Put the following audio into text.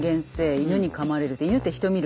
犬にかまれる。